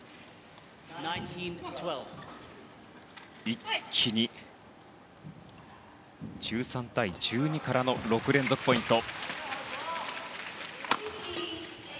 一気に、１３対１２からの６連続ポイント。